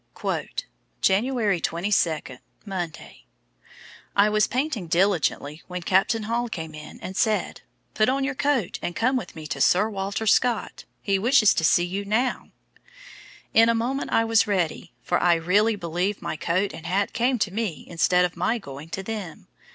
"January 22, Monday. I was painting diligently when Captain Hall came in, and said: 'Put on your coat, and come with me to Sir Walter Scott; he wishes to see you now.' In a moment I was ready, for I really believe my coat and hat came to me instead of my going to them.